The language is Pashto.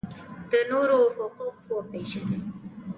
د نورو حقوق وپیژنئ